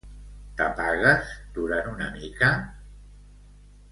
T'apagues durant una mica?